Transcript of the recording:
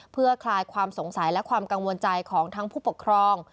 เพื่อคลายความสงสัยและความกังวลใจของทั้งผู้ปกครอง